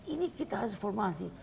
ini kita harus formasi